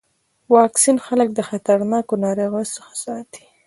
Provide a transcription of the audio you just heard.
واکسین خلک د خطرناکو ناروغیو څخه ساتي.